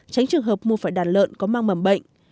tránh trường hợp mua phải đàn lợn có mang mầm bệnh